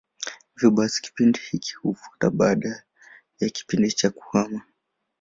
Hivyo basi kipindi hiki hufuata baada ya kipindi cha kuhama.